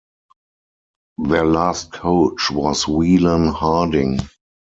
Their last coach was Weylan Harding.